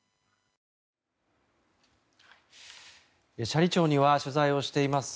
斜里町には取材をしています